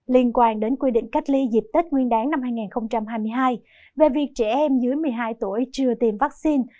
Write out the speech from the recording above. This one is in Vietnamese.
liên quan đến quy định cách ly dịp tết nguyên đáng năm hai nghìn hai mươi hai về việc trẻ em dưới một mươi hai tuổi chưa tiêm vaccine